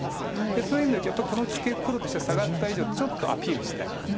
でそういう意味でやっぱりこのツケ黒としてはサガった以上ちょっとアピールしたい。